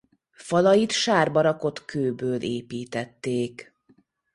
Falait sárba rakott kőből építették.